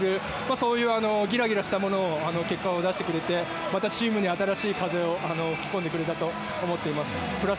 そういうギラギラしたもの結果を出してくれてまたチームに新しい風を吹き込んでくれたと思います。